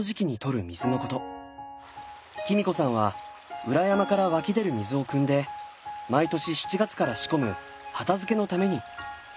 キミ子さんは裏山から湧き出る水をくんで毎年７月から仕込む畑漬のために保存しています。